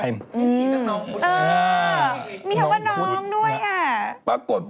แองจี้น้องพุทธธิชัยอือมีคำว่าน้องด้วยค่ะ